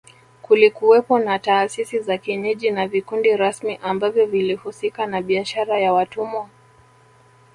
Kulikuwepo na taasisi za kienyeji na vikundi rasmi ambavyo vilihusika na biashara ya watumwa